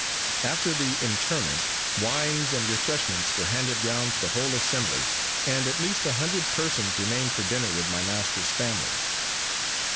After the interment, wines and refreshments were handed round to the whole assembly, and at least a hundred persons remained for dinner with my master's family.